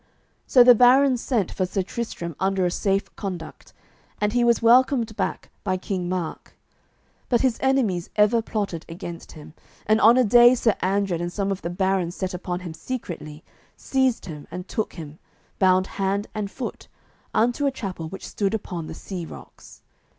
So the barons sent for Sir Tristram under a safe conduct, and he was welcomed back by King Mark. But his enemies ever plotted against him, and on a day Sir Andred and some of the barons set upon him secretly, seized him, and took him, bound hand and foot, unto a chapel which stood upon the sea rocks.